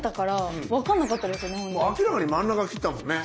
明らかに真ん中切ったもんね？